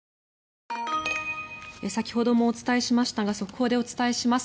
先ほどもお伝えしましたが速報でお伝えします。